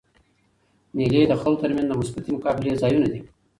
مېلې د خلکو تر منځ د مثبتي مقابلې ځایونه دي.